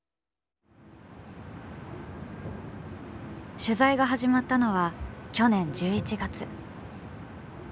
取材が始まったのは去年１１月。